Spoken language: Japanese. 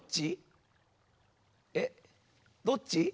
えどっち？